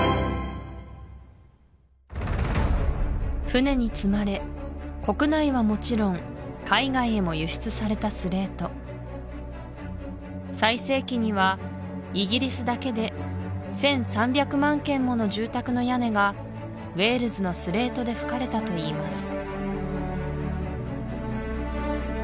船に積まれ国内はもちろん海外へも輸出されたスレート最盛期にはイギリスだけで１３００万軒もの住宅の屋根がウェールズのスレートで葺かれたといいます